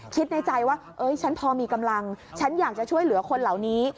คิดในใจว่าฉันพอมีกำลังฉันอยากจะช่วยเหลือคนเหล่านี้